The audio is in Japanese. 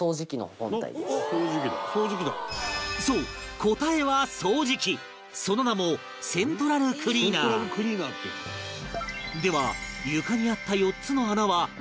そう、答えは掃除機その名もセントラルクリーナーでは、床にあった４つの穴はなんなのか？